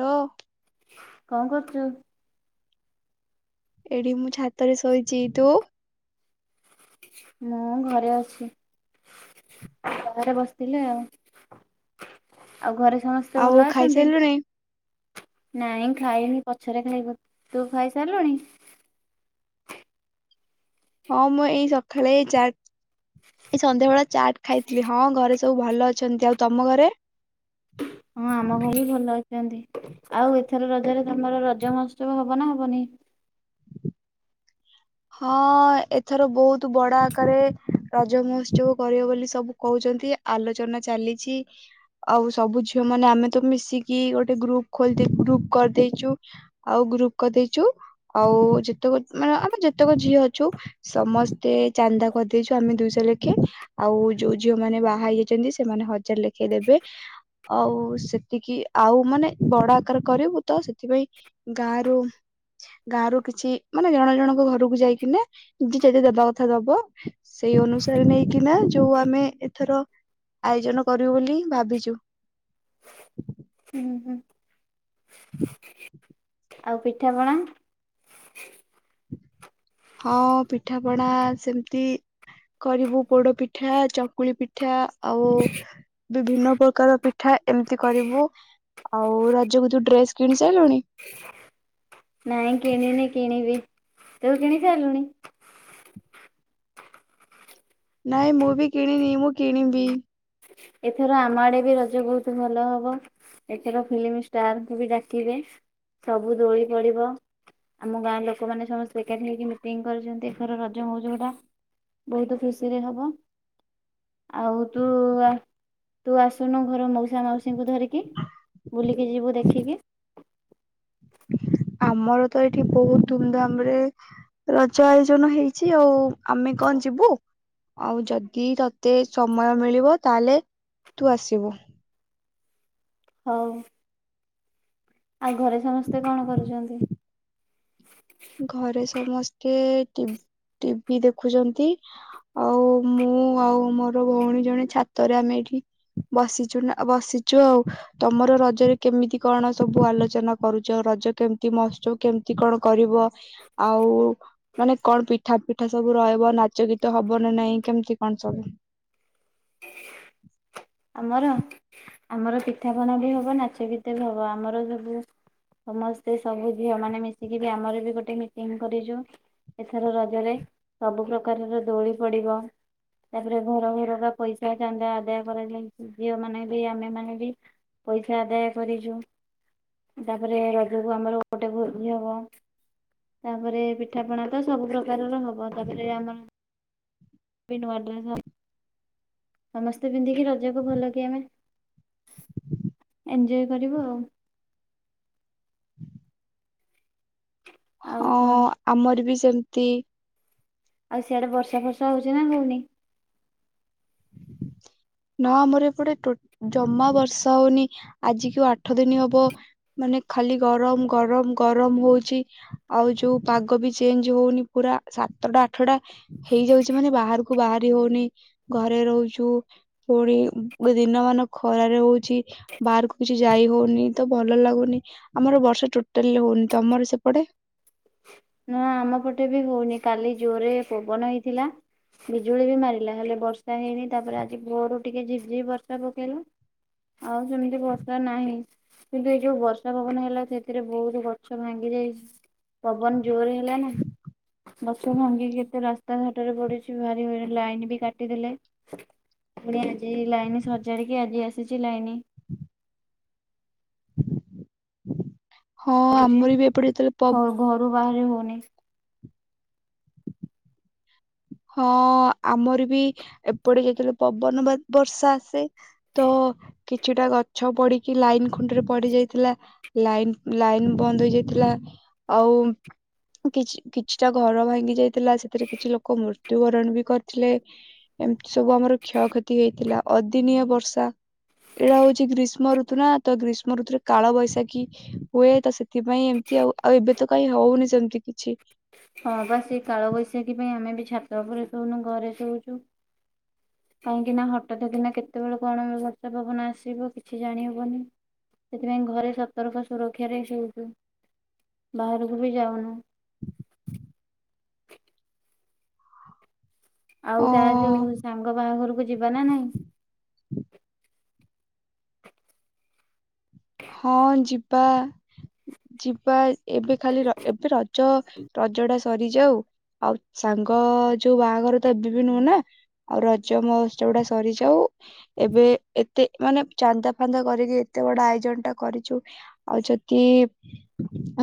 Hello. କଣ କରୁଛୁ? ଏଇଠି ମୁଁ ଛାତରେ ଶୋଇଛି ତୁ? ମୁଁ ଘରେ ଅଛି। ବାହାରେ ବସିଥିଲି ଆଉ ଆଉ ଘରେ ସମସ୍ତେ? ସମସ୍ତେ ଆଉ ଭଲ ଅଛନ୍ତି। ଖାଇସାରିଲୁଣି ନାଇଁ ଖାଇନି ପଛରେ ଖାଇବ ତୁ ଖାଇସାରିଲୁଣି? ହଁ ମୁଁ ଏଇ ସକାଳେ ଚା ଏ ସନ୍ଧ୍ୟା ବଳେ ଚାଟ୍ ଖାଇଥିଲି ହଁ ଘରେ ସବୁ ଭଲ ଅଛନ୍ତି ଆଉ ତମ ଘରେ। ହଁ ଆମ ଘରେ ବି ଭଲ ଅଛନ୍ତି। ଆଉ ଏଥର ରଜରେ ତମର ରଜ ମହୋତ୍ସବ ହବ ନା ହବନି? ହଁ ଏଥର ବହୁତ ବଡ ଆକାରରେ ରଜ ମହୋତ୍ସବ କରିବ ବୋଲି ସବୁ କହୁଛନ୍ତି। ଆଲୋଚନା ଚାଲିଛି। ଆଉ ସବୁ ଝିଅ ମାନେ ଆମେ ତ ମିଶିକି ଗୋଟେ ଗ୍ରୁପ ଖୋଲି ଦେଇ ଗ୍ରୁପ କରିଦେଇଚୁ। ଆଉ ଗ୍ରୁପ କରିଦେଇଛୁ ଆଉ ଯେତେକ ମାନେ ଆମେ ଯେତେକ ଝିଅ ଅଛୁ ସମସ୍ତେ ଚାନ୍ଦା କରିଦେଇଛୁ ଆମେ ଦୁଇଶହ ଲେଖେ। ଆଉ ଯୋଉ ଝିଅ ମାନେ ବାହା ହେଇଯାଇଛନ୍ତି ସେମାନେ ହଜାର ଲେଖେ ଦେବେ। ଆଉ ସେତିକି ଆଉ ମାନେ ବଡ ଆକାର କରିବୁ ତ ସେଥିପାଇଁ ଗାଁ ରୁ ଗାଁ ରୁ କିଛି ମାନେ ଜଣ ଜଣଙ୍କ ଘରକୁ ଯାଇକନା ଯଦେ ଦେ ଦବା କଥା ଦବ ସେଇ ଅନୁସାରେ ନେଇକିନା ଯୋଉ ଆମେ ଏଥର ଆୟୋଜନ କରିବୁ ବୋଲି ଭାବିଛୁ। ହୁଁ ହୁଁ। ଆଉ ପିଠାପଣା। ହଁ ପିଠାପଣା ସେମିତି କରିବୁ ପୋଡ ପିଠା ଚକୁଳି ପିଠା ଆଉ ବିଭିନ୍ନ ପ୍ରକାର ପିଠା ଏମିତି କରିବୁ। ଆଉ ରାଜ କୁ ଯୋଉ ଡ୍ରେସ କିଣି ସାରିଲୁଣି। ନାଇଁ କିଣ ନେଇ କିଣବି ତୁ କିଣ ସାରିଲୁଣି। ନାଇଁ ମୁଁ ବି କିଣିନି ମୁଁ କିଣିବି। ଏଥର ଆମ ଆଡେ ବି ରଜ ବହୁତ ଭଲ ହବ। ଏଥର ଫିଲ୍ମ ଷ୍ଟାର କୁ ବି ଡାକିବେ ସବୁ ଦୋଳି ପଡିବ। ଆମ ଗାଁର ଲୋକମାନେ ସମସ୍ତେ ଏକାଠି ହେଇକି ମିଟିଂ କରିଛନ୍ତି ଏଥର ରଜ ମଉଜ ହେବ। ବହୁତ ଖୁସିରେ ହବ ଆଉ ତୁ ଆ ତୁ ଆସୁନୁ ଘର ମଉସା ମାଉସୀଙ୍କୁ ଧରିକି ବୁଲିକି ଯିବୁ ଦେଖିକି। ଆମର ତ ଏଇଠି ବହୁତ ଧୁମ୍ ଧାମ୍ ରେ ରଜ ଆୟୋଜନ ହେଇଛି ଆଉ ଆମେ କଣ ଯିବୁ। ଆଉ ଯଦି ତତେ ସମୟ ମିଳିବ ତାହେଲେ ତୁ ଆସିବୁ। ହଉ। ଆଉ ଘରେ ସମସ୍ତେ କଣ କରୁଛନ୍ତି। ଘରେ ସମସ୍ତେ ଟିଭି ଦେଖୁଛନ୍ତି। ଆଉ ମୁଁ ଆଉ ମୋର ଭଉଣୀ ଜଣେ ଛାତରେ ଆମେ ଏଇଠି ବସିଛୁ ନା ବସିଛୁ ଆଉ। ତମର ରଜରେ କେମିତି କଣ ସବୁ ଆଲୋଚନା କରୁଛ ରଜ କେମତି ମଉତ୍ସବ କେମିତି କଣ କରିବ। ଆଉ ମାନେ କଣ ପିଟ୍ ପିଠା ପିଠା ସବୁ ରହିବ ନାଚ ଗୀତ ହବ ନା ନାଇଁ କେମିତି କଣ ସବୁ। ଆମର ଆମର ପିଠାପନା ବି ହବ ନାଚ ଗିତ ବି ହବ ଆମର ସବୁ ସମସ୍ତେ ସବୁ ଝିଅ ମାନେ ମିଶିକି ବି ଆମର ବି ଗୋଟେ ମିଟିଂ କରିଛୁ। ଏଥର ରଜରେ ସବୁ ପ୍ରକାରର ଦୋଳି ପଡିବ ତାପରେ ଘର ଘରକା ପଇସା ଚାନ୍ଦ ଆଦାୟ କରାଯାଇଛି ଝିଅ ମାନେ ବି ଆମେ ମାନେ ବି ପଇସା ଆଦାୟ କରିଛୁ। ତାପରେ ରଜକୁ ଆମର ଗୋଟେ ଭୋଜି ହବ। ତାପରେ ପିଠାପଣା ତ ସବୁ ପ୍ରକାରର ହବ ତାପରେ ଆମର ଭନୁ [unintelligible] ସମସ୍ତେ ପିନ୍ଧିକି ରଜକୁ ଭଲ କି ଆମେ ଏଞଜୟ କରିବୁ ଆଉ। ଆଉ ହଁ କଣ ଆମର ବି ସେମିତି। ଆଉ ସିଆଡେ ବର୍ଷା ଫର୍ଷା ହଉଛି ନା ହଉନି। ନା ଆମର ଏପଟେ ଟୋ ଜମା ବର୍ଷା ହଉନି। ଆଜିିକୁ ଆଠ ଦିନ ହବ। ମାନେ ଖାଲି ଗରମ ଗରମ ଗରମ ହଉଛି। ଆଉ ଯୋଉ ପାଗ ବି ଚେଞ୍ଜ ହଉନି ପୁରା ସାତଟା ଆଠଟା ହେଇଯାଉଛି ମାନେ ବାହାରକୁ ବାହାରି ହଉନି ଘରେ ରହୁଛୁ। ପୁଣି ଦିନ ମାନ ଖରାରେ ହଉଛି ବାହାରକୁଛି। ଯାଇ ହଉନି ତ ଭଲ ଲାଗୁନି। ଆମର ବର୍ଷା ଟୋଟାଲି ହଉନି। ତମର ସେପଟେ? ନ ଆମ ପଟେ ବି ହଉନି କାଲି ଜୋରରେ ପବନ ହେଇଥିଲା। ବିଜୁଳି ବି ମାରିଲା ହେଲେ ବର୍ଷା ହେଇନି ତାପରେ ଆଜି ଭୋଅରୁ ଟିକେ ଝିପ୍ ଝିପ୍ ବର୍ଷା ପକେଇଲା। ଆଉ ସେମିତି ବର୍ଷା ନାହିଁ। କିନ୍ତୁ ଏଇ ଯୋଉ ବର୍ଷା ପବନ ହେଲା ସେଥିରେ ବହୁତ ଗଛ ଭାଙ୍ଗି ଯାଇଛି। ପବନ ଜୋରେ ହେଲା ନା। ଗଛ ଭାଙ୍ଗିକି କେତେ ରାସ୍ତା ଘାଟରେ ପଡିଛି। ଭାରି ଲାଇନ ବି କାଟିଦେଲେ। ପୁଣି ଆଜି ଲାଇନ୍ ସଜାଡିକି ଆଜି ଆସିଛି ଲାଇନି। ହଁ ଆମର ବି ଏପଟେ ଯେତେବେଳେ ପ ଘରୁ ଘରୁ ବାହାରି ହଉନି। ହଁ ଆମର ବି ଏପଟେ ଯେତେବେଳେ ପବନ ବର୍ଷା ଆସେ। ତ କିଛିଟା ଗଛ ପଡିକି ଲାଇନ ଖୁଣ୍ଠରେ ପଡି ଯାଇଥିଲା। ଲାଇନ ଲାଇନ ବନ୍ଦ ହେଇ ଯାଇଥିଲା। ଆଉ କିଛି କିଛିଟା ଘର ଭାଙ୍ଗି ଯାଇଥିଲା। ସେ ସେଥିରେ କିଛି ଲୋକ ମୃତ୍ୟୁବରଣ ବି କରିଥିଲେ। ଏମିତି ସବୁ ଆମର କ୍ଷୟକ୍ଷ ହେଇଥିଲା ଅଦିନିଆ ବର୍ଷା। ଏଇଟା ହଉଛି ଗ୍ରୀଷ୍ମ ଋତୁ ନା ତ ଗ୍ରୀଷ୍ମ ଋତୁରେ କାଳ ବୈଶାଖୀ ହୁଏ। ତ ସେ ସେଥିପାଇଁ ଏମିତି ଆଉ। ଆଉ ଏବେ ତ କାଇଁ ହଉନି ସେମିତି କିଛି। ହଁ ବା ସେଇ କାଳବୈଶାଖୀ ପାଇଁ ଆମେ ବି ଛାତ ଉପରେ ଶୋଉନୁ ଘରେ ଶୋଉଛୁ। କାହିଁକି ନା ହଠାତ୍ କିନା କେତେବେଳେ କଣ ବର୍ଷା ପବନ ଆସିବ କିଛି ଜାଣି ହବନି। ସେଥିପାଇଁ ଘରେ ସତର୍କ ସୁରକ୍ଷାରେ ଶୋଉଛୁ। ବାହାରକୁ ବି ଯାଉନୁ। ଆଉ ଅ ତା ଯୋଉ ସାଙ୍ଗ ବାହାଘରକୁ ଯିବା ନା ନାଇଁ। [inaudible] ହଁ ଯିବା ଯିବା ଏବେ ଖାଲି ର ଏବେ ର ଜ ରଜ ଟା ସରିଯାଉ। ଆଉ ସାଙ୍ଗ ଯୋଉ ବାହାଘର ତ ଏବେ ବି ନୁହଁ ନା। ଆଉ ରଜ ମହୋତ୍ସବ ଟା ସରିଯାଉ। ଏବେ ଏତେ ମାନେ ଚାନ୍ଦା ଫାନ୍ଦା କରିକି ଏତେ ବଡ ଆଇ ଜ ଟା କରିଛୁ ଆଉ ଯଦି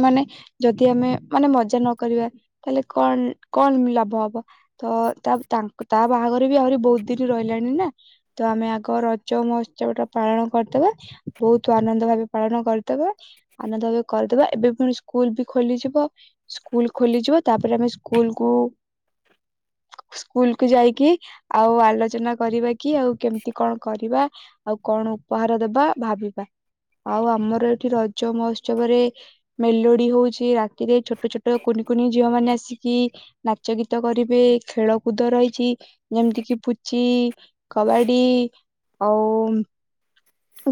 ମାନେ ଯଦି ଆମେ ମାନେ ମଜା ନକରିବା ତାହେଲେ କଣ କଣ ମି ଲାଭ ହବ? ତ ତା ତା ବାହାଘର ବି ଆହୁରି ବହୁତ ଦିନ ରହିଲାଣି ନା। ତ ଆମେ ଆଗ ରଜ ମହୋତ୍ସବଟା ପାଳନ କରିଦବା। ବହୁତ ତୁ ଆନନ୍ଦ ଭାବେ ପାଳନ କରିଦେବା। ଆନନ୍ଦ ଭାବେ କରିଦେବା। ଏବେ ପୁଣି ସ୍କୁଲ ବି ଖୋଲିଯିବ ସ୍କୁଲ ଖୋଲିଯିବ। ତାପରେ ଆମେ ସ୍କୁଲକୁୁ ସ୍କୁଲକୁ ଯାଇକି ଆଉ ଆଲୋଚନା କରିବା। କି ଆଉ କେମିତି କଣ କରିବା? ଆଉ କଣ ଉପହାର ଦବା ଭାବିବା? ଆଉ ଆମର ଏଠି ରଜ ମହୋତ୍ସବରେ ମେଲୋଡି ହଉଛି ରାତିରେ ଛୋଟ ଛୋଟ କୁନି କୁନି ଝିଅ ମାନେ ଆସିକି ନାଚ ଗୀତ କରିବେ ଖେଳକୁଦ ରହିଛି। ଯେମିତି କିି ପୁଚି କବାଡି ଆଉ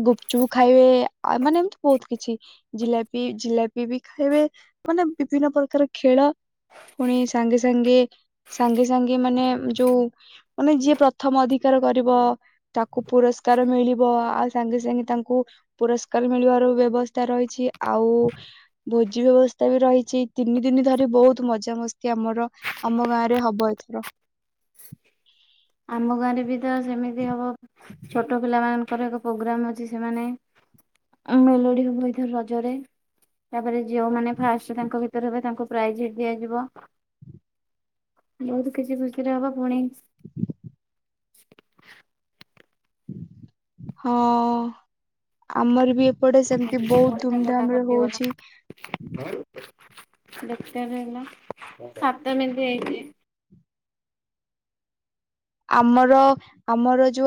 ଗୁପଚୁପ ଖାଇବେ ଆ ମାନେ ଏମିତି ବହୁତ କିଛି ଜିଲାପି ଜିଲାପି ବି ଖାଇବେ ମାନେ ବିଭିନ୍ନ ପ୍ରକାର ଖେଳ ପୁଣି ସାଙ୍ଗେ ସାଙ୍ଗେ ସାଙ୍ଗେ ସାଙ୍ଗେ ମାନେ, ଯୋଉ ମାନେ ଯିଏ ପ୍ରଥମ ଅଧିକାର କରିବ, ତାକୁ ପୁରସ୍କାର ମିଳିବ। ଆଉ ସାଙ୍ଗେ ସାଙ୍ଗେ ତାଙ୍କୁ ପୁରସ୍କାର ମିଳିବାର ବ୍ୟବସ୍ଥା ରହିଛି। ଆଉ ଭୋଜି ବ୍ୟବସ୍ତା ବି ରହିଛି। ତିନି ଦିନ ଧରି ବହୁତ ମଜାମସ୍ତି ଆମର ଆମ ଗାଁ ରେ ହବ ଏଥର। ଆମ ଗାଁରେ ବି ତ ସେମିତି ହବ। ଛୋଟ ପିଲା ମ ର ଏକ ପ୍ରୋଗ୍ରାମ ଅଛି। ସେମାନେ, ମେଲୋଡି ହବ ରଜରେ। ତାପରେ ଯୋଉମାନେ ଫାଷ୍ଟ, ତାଙ୍କ ଭ ତାଙ୍କୁ ପ୍ରାଇଜ ଦିଆଯିବ। ବହୁତ କିଛି ଖୁସିରେ ହବ। ପୁଣି [inaudible] ହଁ। ଆମର ବି ପଟେ ସେମିତି, ବହୁତ ଧୁମଧାମ ରେ ହଉଛି। ଦେଖିବା ସେଇଦିନ। ସାତ ମିନିଟ ହେଇଚି। ଆମର। ଆମର ଯୋଉ